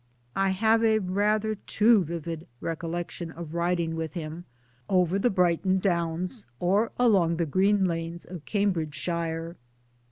I have a rather too vivid recollection of riding with him, over the Brighton Downs or along the green lanes of Cambridgeshire.